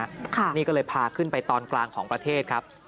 ใช่ไหมครับนี่ก็เลยพาขึ้นไปตอนกลางของประเทศครับ